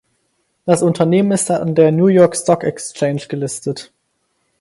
Das Unternehmen ist an der New York Stock Exchange gelistet.